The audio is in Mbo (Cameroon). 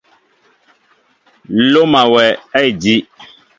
Loma wɛ a ediw.